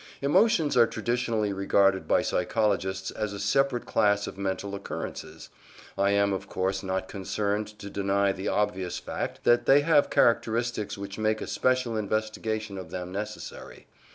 Emotions are traditionally regarded by psychologists as a separate class of mental occurrences: I am, of course, not concerned to deny the obvious fact that they have characteristics which make a special investigation of them necessary.